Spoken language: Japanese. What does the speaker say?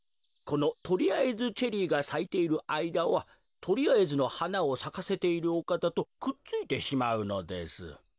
このとりあえずチェリーがさいているあいだはとりあえずのはなをさかせているおかたとくっついてしまうのです。